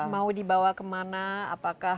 mau dibawa kemana apakah